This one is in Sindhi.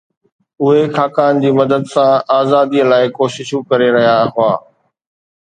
اهي خاقان جي مدد سان آزاديءَ لاءِ ڪوششون ڪري رهيا هئا